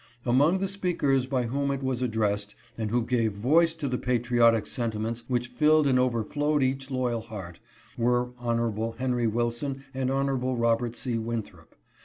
Among the speakers by whom it was addressed and who gave voice to the patriotic sentiments which filled and overflowed each loyal heart, were Hon. Henry Wilson, and Hon. Robert C. Winthrop.